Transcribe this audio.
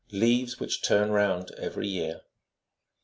LEAVES WHICH TURN ROUND EVERY YEAR.